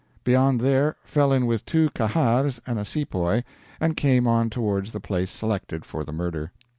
Beyond there, fell in with two Kahars and a sepoy, and came on towards the place selected for the murder.